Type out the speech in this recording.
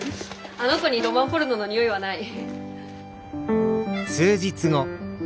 あの子にロマンポルノのにおいはない。